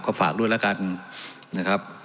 ก็ฝากด้วยแล้วกันนะครับ